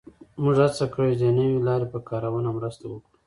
موږ هڅه کړې چې د یوې نوې لارې په کارونه مرسته وکړو